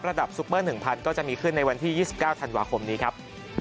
ซุปเปอร์๑๐๐ก็จะมีขึ้นในวันที่๒๙ธันวาคมนี้ครับ